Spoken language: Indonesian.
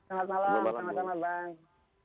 selamat malam selamat selamat bang